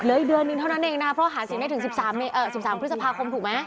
เหลืออีกเดือนหนึ่งเท่านั้นเองนะเพราะหาเสียงได้ถึงสิบสามเอ่อสิบสามพฤษภาคมถูกไหม